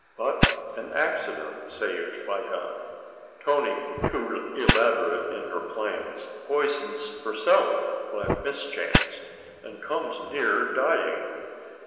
But an accident saves Wiegand. Toni, too elaborate in her plans, poisons herself by mischance, and comes near dying.